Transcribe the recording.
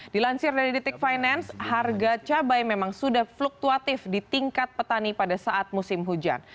dilansir dari detik finance harga cabai memang sudah fluktuatif di tingkat petani pada saat musim hujan